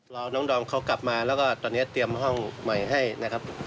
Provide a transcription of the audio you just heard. รอน้องดอมเขากลับมาแล้วก็ตอนนี้เตรียมห้องใหม่ให้นะครับ